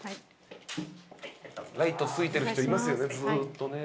ライトついてる人いますよねずっとね。